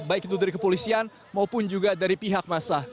baik itu dari kepolisian maupun juga dari pihak massa